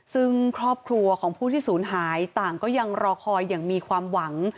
ซึ่งครอบครัวของผู้ที่ศูนย์หายต่างก็ยังรอคอยอย่างมีความหวัง